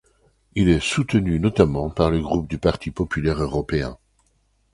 Il est soutenu notamment par le Groupe du Parti populaire européen.